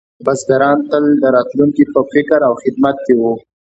بزګران تل د راتلونکي په فکر او خدمت کې وو.